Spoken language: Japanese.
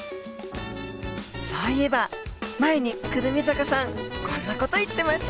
そういえば前に胡桃坂さんこんな事言ってました。